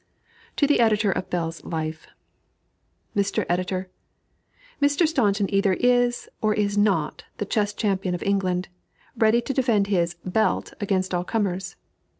To the Editor of Bell's Life: MR. EDITOR: Mr. Staunton either is, or is not, the chess champion of England, ready to defend his "belt" against all comers.